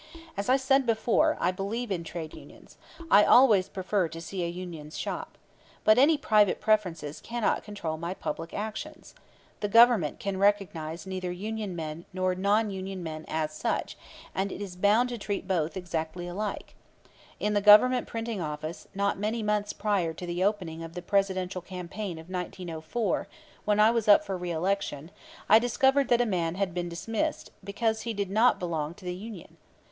As I said before, I believe in trade unions. I always prefer to see a union shop. But any private preferences cannot control my public actions. The Government can recognize neither union men nor non union men as such, and is bound to treat both exactly alike. In the Government Printing Office not many months prior to the opening of the Presidential campaign of 1904, when I was up for reelection, I discovered that a man had been dismissed because he did not belong to the union.